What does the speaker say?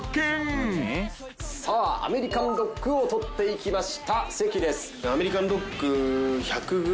さあアメリカンドッグを取っていきました関です。